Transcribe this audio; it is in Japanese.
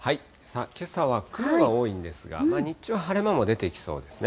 けさは雲が多いんですが、日中は晴れ間も出てきそうですね。